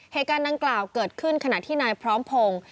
เหตุการณ์ดังกล่าวเกิดขึ้นขณะที่นายพร้อมพงศ์